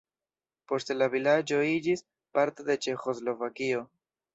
Poste la vilaĝo iĝis parto de Ĉeĥoslovakio.